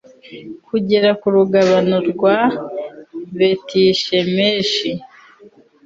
kugera ku rugabano rwa betishemeshi